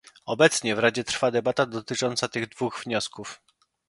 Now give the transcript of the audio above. Obecnie w Radzie trwa debata dotycząca tych dwóch wniosków